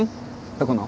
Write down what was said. どこの？